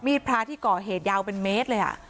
พระที่ก่อเหตุยาวเป็นเมตรเลย